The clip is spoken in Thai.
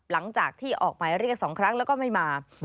หลังจากที่ออกหมายเรียก๒ครั้งแล้วก็ไม่มา